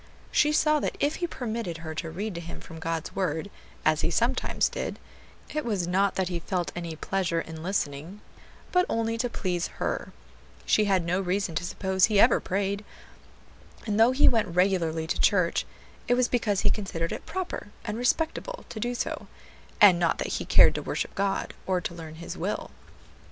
She saw that if he permitted her to read to him from God's word, as he sometimes did, it was not that he felt any pleasure in listening, but only to please her; she had no reason to suppose he ever prayed, and though he went regularly to church, it was because he considered it proper and respectable to do so, and not that he cared to worship God, or to learn His will.